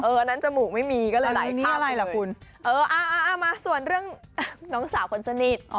เออนั่นจมูกไม่มีก็เลยไหลข้างหนึ่งเลยเออมาส่วนเรื่องน้องสาวคนสนิท